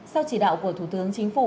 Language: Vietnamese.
sau chỉ đạo của thủ tướng chính phủ